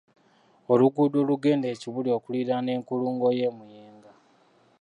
Oluguudo olugenda e Kibuli okuliraana enkulungo y’e Muyenga.